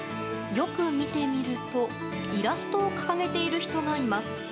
よく見てみるとイラストを掲げている人がいます。